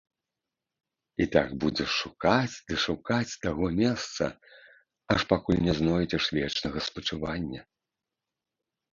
І так будзеш шукаць ды шукаць таго месца, аж пакуль не знойдзеш вечнага спачывання.